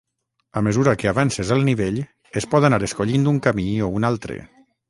A mesura que avances el nivell es pot anar escollint un camí o un altre.